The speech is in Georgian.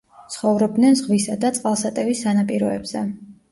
ცხოვრობდნენ ზღვისა და წყალსატევის სანაპიროებზე.